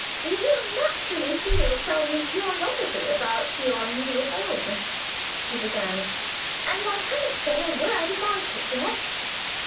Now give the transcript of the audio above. "You will naturally feel some curiosity about your new home," she began, "and I haven't said a word about it yet.